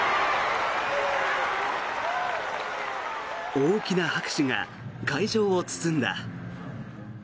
大きな拍手が会場を包んだ。